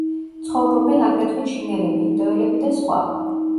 ცხოვრობენ აგრეთვე ჩინელები, ინდოელები და სხვა.